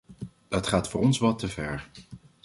Dat gaat voor ons wat te ver.